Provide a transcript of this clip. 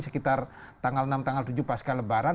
sekitar tanggal enam tanggal tujuh pasca lebaran